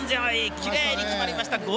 きれいに決まりました。